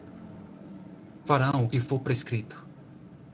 Farão o que for prescrito